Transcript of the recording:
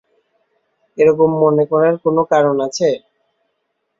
এ-রকম মনে করার কোনো কারণ আছে?